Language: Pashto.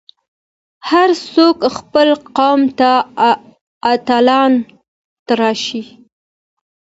هر څوک خپل قوم ته اتلان تراشي.